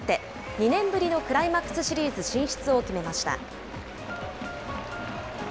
２年ぶりのクライマックスシリーズ進出を決めました。